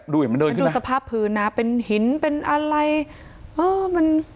ดูเห็นมันเดินขึ้นมามันดูสภาพพื้นนะเป็นหินเป็นอะไรเออมัน